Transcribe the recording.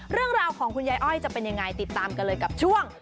เรื่องราวของคุณยายอ้อยจะเป็นยังไงติดตามกันเลยกับช่วง